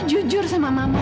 jujur sama mama